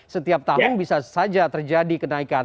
setiap tahun bisa saja terjadi kenaikan